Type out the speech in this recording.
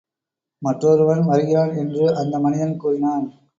மற்றொருவன் வருகிறான்! என்று அந்த மனிதன் கூறினான்.